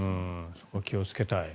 そこは気をつけたい。